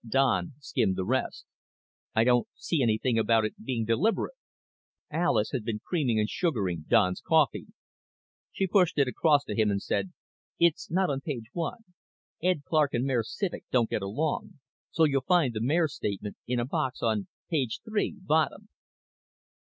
_ Don skimmed the rest. "I don't see anything about it being deliberate." Alis had been creaming and sugaring Don's coffee. She pushed it across to him and said, "It's not on page one. Ed Clark and Mayor Civek don't get along, so you'll find the mayor's statement in a box on page three, bottom."